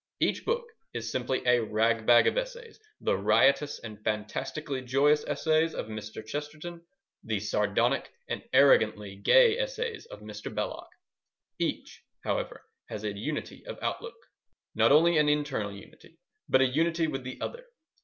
Each book is simply a ragbag of essays—the riotous and fantastically joyous essays of Mr. Chesterton, the sardonic and arrogantly gay essays of Mr. Belloc. Each, however, has a unity of outlook, not only an internal unity, but a unity with the other.